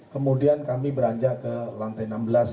kemudian kami beranjak ke lantai enam belas